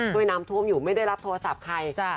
ด้วยน้ำท่วมอยู่ไม่ได้รับโทรศัพท์ใคร